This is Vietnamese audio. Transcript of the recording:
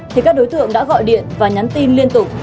thì các đối tượng đã gọi điện và nhắn tin liên tục